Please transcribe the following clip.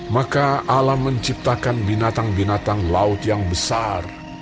maka alam menciptakan binatang binatang laut yang besar